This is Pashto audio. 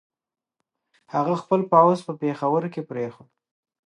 هغه خپل پوځ په پېښور کې پرېښود.